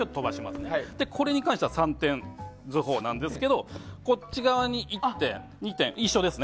これに関しては三点図法なんですがこっち側に１点、２点。